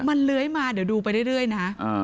มันเลื้อยมาเดี๋ยวดูไปเรื่อยนะ